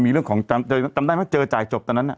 มีเรื่องของเจอจ่ายจบตอนนั้น